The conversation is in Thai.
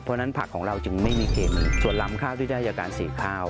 เพราะฉะนั้นผักของเราจึงไม่มีกลิ่นส่วนลำข้าวที่ได้จากการสีข้าว